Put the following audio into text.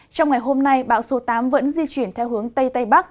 trong ngày hôm nay bão số tám vẫn di chuyển theo hướng tây tây bắc